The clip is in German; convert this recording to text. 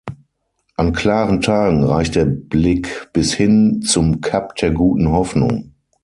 An klaren Tagen reicht der Blick bis hin zum Kap der Guten Hoffnung.